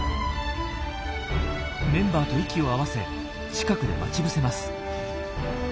メンバーと息を合わせ近くで待ち伏せます。